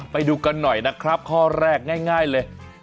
ไปดูกันหน่อยนะครับข้อแรกง่ายเลย